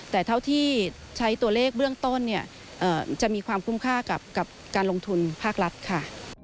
แต่เท่าที่ใช้ตัวเลขเบื้องต้นเนี่ยจะมีความคุ้มค่ากับการลงทุนภาครัฐค่ะ